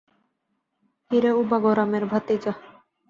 কিরে, উবাগরামের ভাতিজা!